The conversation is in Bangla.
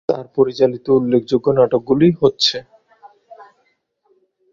তার পরিচালিত উল্লেখযোগ্য নাটকগুলি হচ্ছে।